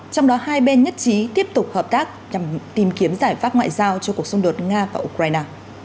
trong đó hai bên nhất trí tiếp tục hợp tác nhằm tìm kiếm giải pháp ngoại giao cho cuộc xung đột nga và ukraine